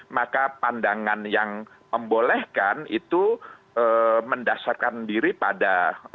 maka pandangan yang membolehkan itu mendasarkan diri pada